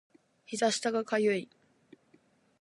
膝下が痒い